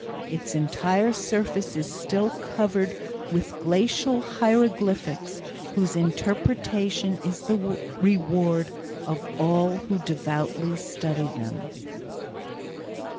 Its entire surface is still covered with glacial hieroglyphics whose interpretation is the reward of all who devoutly study them.